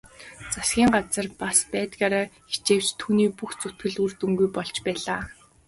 Засгийн газар бас байдгаараа хичээвч түүний бүх зүтгэл үр дүнгүй болж байлаа.